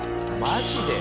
「マジで？」